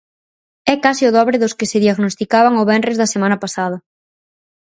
É case o dobre dos que se diagnosticaban o venres da semana pasada.